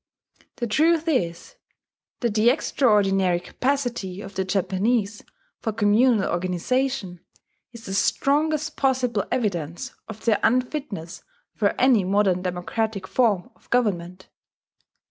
The truth is that the extraordinary capacity of the Japanese for communal organization, is the strongest possible evidence of their unfitness for any modern democratic form of government.